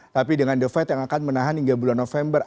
tapi dengan devet yang akan menahan hingga bulan november